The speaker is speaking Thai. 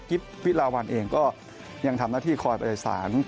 กิฟต์วิลาวัลเองก็ยังทำหน้าที่คอยประเศษฐาน